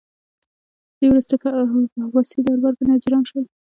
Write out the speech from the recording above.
دوی وروسته په عباسي دربار کې وزیران شول